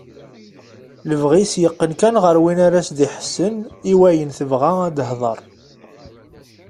Lebɣi-s yeqqen kan ɣer win ara as-d-iḥessen i wayen tebɣa ad tehder.